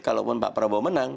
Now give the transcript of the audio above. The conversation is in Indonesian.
kalau pak prabowo menang